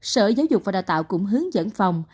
sở giáo dục và đào tạo cũng hướng dẫn phòng